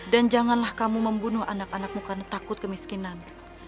dan janganlah kamu membunuh anak anakmu karena takut kemiskinan